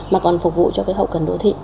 mà còn phục vụ cho hậu cần đô thị